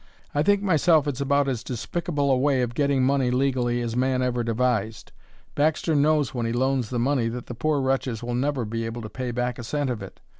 "I think myself it's about as despicable a way of getting money legally as man ever devised. Baxter knows when he loans the money that the poor wretches will never be able to pay back a cent of it.